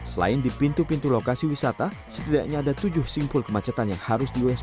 selain di pintu pintu lokasi wisata setidaknya ada tujuh simpul kemacetan yang harus diwaspada